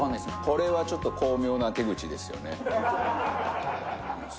これはちょっと巧妙な手口ですよね。